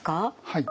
はい。